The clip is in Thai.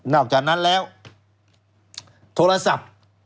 อกจากนั้นแล้วโทรศัพท์